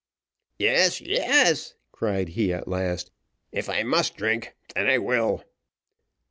"Yes, yes," cried he at last, "if I must drink, then, I will.